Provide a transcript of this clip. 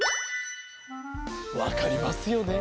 わかりますよね？